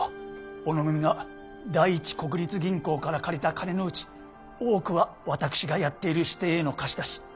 小野組が第一国立銀行から借りた金のうち多くは私がやっている支店への貸し出し。